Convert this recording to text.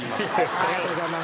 ありがとうございます